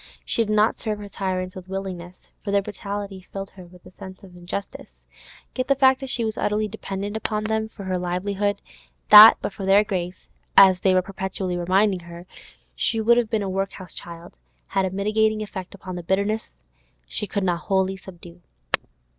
She did not serve her tyrants with willingness, for their brutality filled her with a sense of injustice; yet the fact that she was utterly dependent upon them for her livelihood, that but for their grace—as they were perpetually reminding her—she would have been a workhouse child, had a mitigating effect upon the bitterness she could not wholly subdue.